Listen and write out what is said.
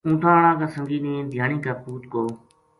اونٹھا ں ہاڑا کا سنگی نے دھیانی کا پوت کو